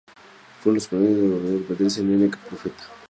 Fueron las palabras que lo motivaron a convertirse en Nk Profeta.